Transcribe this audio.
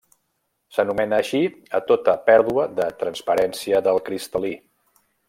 S'anomena així a tota pèrdua de transparència del cristal·lí.